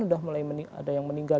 sudah mulai ada yang meninggal